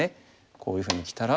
こういうふうにきたら。